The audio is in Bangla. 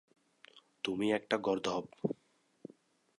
তুমি একটা গর্দভ।